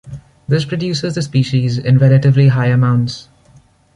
This produces the species in relatively high amounts.